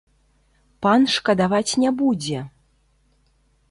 Пан шкадаваць не будзе!